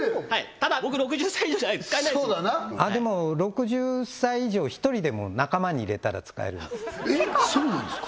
ただ僕６０歳以上じゃないのででも６０歳以上を１人でも仲間に入れたら使えるんですえっそうなんですか？